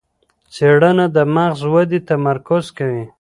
څېړنه د مغز ودې تمرکز کوي.